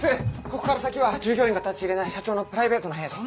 ここから先は従業員が立ち入れない社長のプライベートな部屋で。